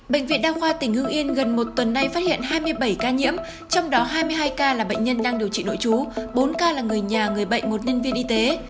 bệnh viện đa khoa tỉnh hưng yên gần một tuần nay phát hiện hai mươi bảy ca nhiễm trong đó hai mươi hai ca là bệnh nhân đang điều trị nội chú bốn ca là người nhà người bệnh một nhân viên y tế